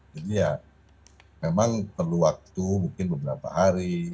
jadi ya memang perlu waktu mungkin beberapa hari